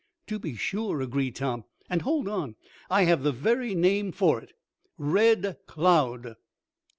"To be sure," agreed Tom. "And hold on, I have the very name for it Red Cloud!"